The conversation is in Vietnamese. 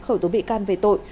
khởi tố bị can về tội